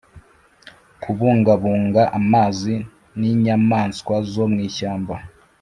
kubungabunga amazi n’inyamaswa zo mwishyamba